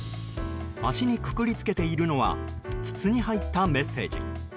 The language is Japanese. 足にくくり付けているのは筒に入ったメッセージ。